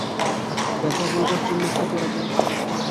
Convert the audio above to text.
ব্যথা ভোলবার জন্যে কী করা জায়?